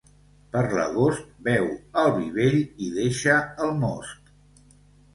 Per l'agost beu el vi vell i deixa el most.